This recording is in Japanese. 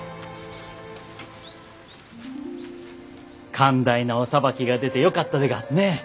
寛大なお裁きが出てよかったでがすね！